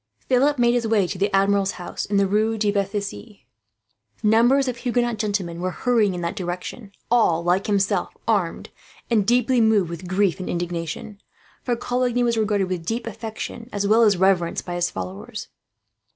Philip made his way to the Admiral's house in the Rue de Bethisy. Numbers of Huguenot gentlemen were hurrying in that direction; all, like himself, armed, and deeply moved with grief and indignation; for Coligny was regarded with a deep affection, as well as reverence, by his followers.